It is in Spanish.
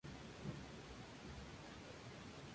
Wikipedia, the free encyclopedia.